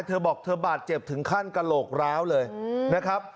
เธอบอกเธอบาดเจ็บถึงขั้นกระโหลกร้าวเลยนะครับ